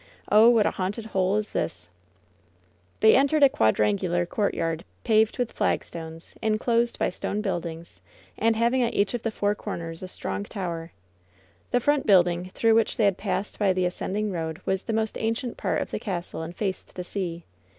Oh, what a haunted hole is this !" They entered a quadrangular courtyard paved with flagstones, inclosed by stone buildings, and having at each of the four comers a strong tower. The front building, through which they had passed by the ascending road, was the most ancient part of the castle and faced the sea.